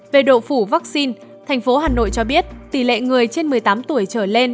về độ phủ vaccine tp hà nội cho biết tỷ lệ người trên một mươi tám tuổi trở lên